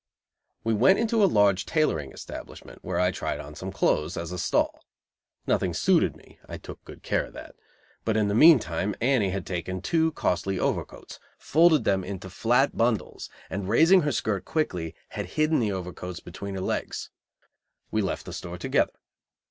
We went into a large tailoring establishment, where I tried on some clothes, as a stall. Nothing suited me. I took good care of that but in the meantime Annie had taken two costly overcoats, folded them into flat bundles, and, raising her skirt quickly, had hidden the overcoats between her legs. We left the store together.